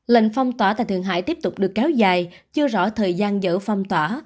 lệnh phong tỏa tại thượng hải tiếp tục được kéo dài chưa rõ thời gian dở phong tỏa